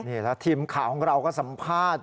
นี่แล้วทีมข่าวของเราก็สัมภาษณ์